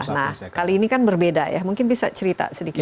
nah kali ini kan berbeda ya mungkin bisa cerita sedikit